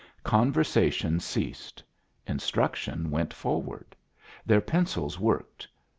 Conversation ceased. Instruction went forward. Their pencils worked.